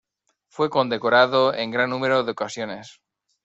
Fue condecorado en gran número de ocasiones.